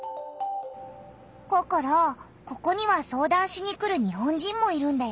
ココロここには相談しに来る日本人もいるんだよ。